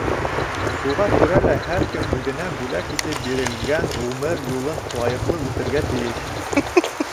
Шуға күрә лә һәр кем үҙенә бүләк итеп бирелгән ғүмер юлын лайыҡлы үтергә тейеш.